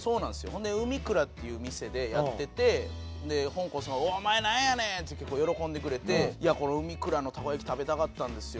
ほんで「うみくら」っていう店でやっててほんこんさん「お前なんやねん」って結構喜んでくれて「うみくらのたこ焼き食べたかったんですよ」